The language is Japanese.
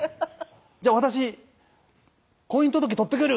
「じゃあ私婚姻届取ってくる！」